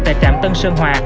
tại trạm tân sơn hòa